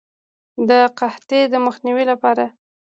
د قحطۍ د مخنیوي لپاره.